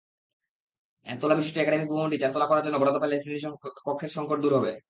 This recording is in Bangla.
একতলাবিশিষ্ট একাডেমিক ভবনটি চারতলা করার জন্য বরাদ্দ পেলে শ্রেণিকক্ষের সংকট দূর হবে।